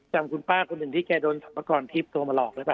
จำคุณป้าคนหนึ่งที่แกโดนสรรพากรทิพย์โตมาหลอกเลยป่ะ